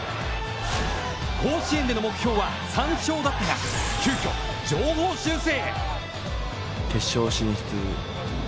甲子園での目標は３勝だったが急遽、上方修正！